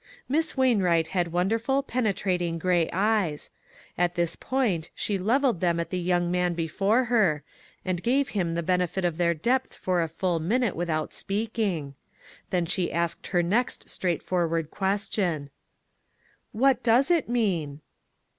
Miss Wainwright had wonderful, penetrat ing, gray eyes ; at this point she levelled them at the young man before her, and gave him the benefit of their depth for a full minute without speaking ; then she asked her next straightforward question: " What does it mean